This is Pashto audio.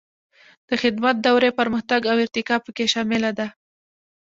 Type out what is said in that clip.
د خدمت دورې پرمختګ او ارتقا پکې شامله ده.